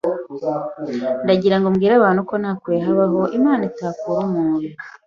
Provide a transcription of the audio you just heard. Ndagirango mbwira abantu ko nta kure habaho Imana itakura umuntu,